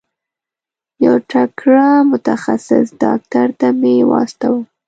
یو تکړه متخصص ډاکټر ته مي واستوه.